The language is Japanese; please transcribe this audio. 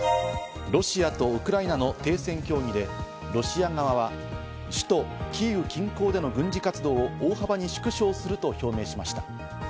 ロシアとウクライナの停戦協議でロシア側は首都キーウ近郊での軍事活動を大幅に縮小すると表明しました。